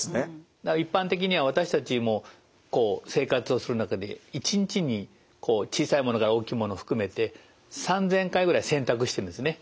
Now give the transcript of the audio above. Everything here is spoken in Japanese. だから一般的には私たちもこう生活をする中で一日に小さいものから大きいもの含めて３，０００回ぐらい選択してるんですね。